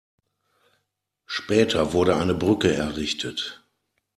Später wurde eine Brücke errichtet.